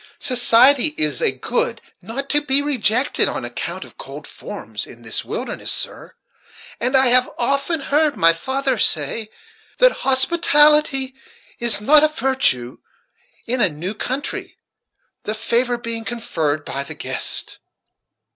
Society is a good not to be rejected on account of cold forms, in this wilderness, sir; and I have often heard my father say, that hospitality is not a virtue in a new country, the favor being conferred by the guest."